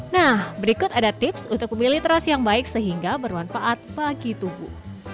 nah berikut ada tips untuk memilih terasi yang baik sehingga bermanfaat bagi tubuh